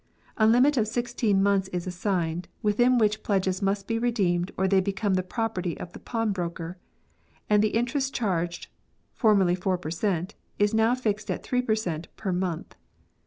A limit of sixteen months is assigned, within which pledges must be redeemed or they become the property of the pawnbroker ; and the interest charged, formerly four per cent., is now fixed at three per cent, per month.